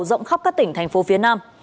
rộng khắp các tỉnh thành phố phía nam